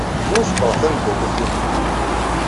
Wufqeɣ tameddakelt-nnem.